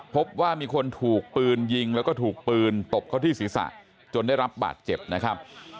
พบว่ามีคนถูกปืนยิงแล้วก็ถูกปืนตบเขาที่ศีรษะจนได้รับบาดเจ็บนะครับ